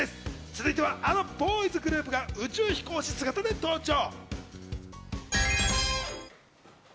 続いては、あのボーイズグループが宇宙飛行士姿で登場。